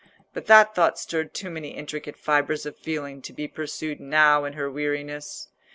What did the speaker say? But that thought stirred too many intricate fibres of feeling to be pursued now in her weariness.